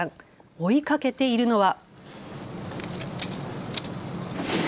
追いかけているのは。